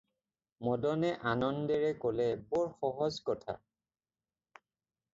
মদনে আনন্দেৰে ক'লে-বৰ সজ কথা।